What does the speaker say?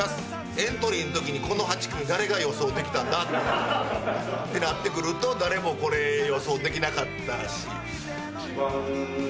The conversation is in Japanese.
エントリーのときにこの８組、誰が予想できたんだってなってくると誰もこれ予想できなかったし。